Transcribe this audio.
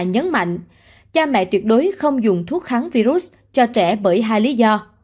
nhấn mạnh cha mẹ tuyệt đối không dùng thuốc kháng virus cho trẻ bởi hai lý do